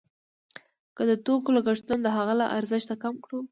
که د توکو لګښتونه د هغه له ارزښت کم کړو